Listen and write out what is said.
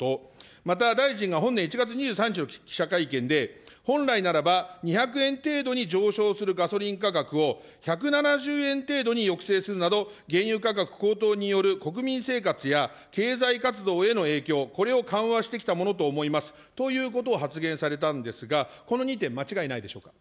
また大臣が本年１月２３日の記者会見で、本来ならば２００円程度に上昇するガソリン価格を、１７０円程度に抑制するなど、原油価格高騰による国民生活や経済活動への影響、これを緩和してきたものと思います、ということを発言されたんですが、この２点、間違いないでしょうか。